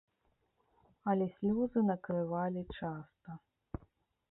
Але слёзы накрывалі часта.